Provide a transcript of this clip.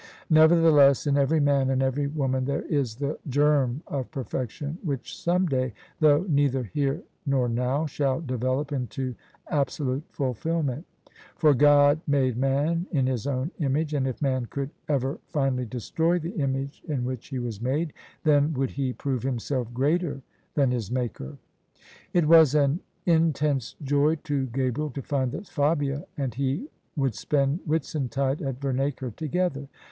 Nevertheless in every man and every woman there is the germ of perfection which some day — though neither here nor now — shall develop into absolute fulfilment: for God made man in His own image and if man could ever finally destroy the image in which he was made, then would he prove himself greater than his Maker. It was an intense joy to Gabriel to find that Fabia and he would spend Whitsuntide at Vemacre together.